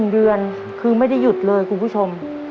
๑เดือนคือไม่ได้หยุดเลยคุณผู้ชม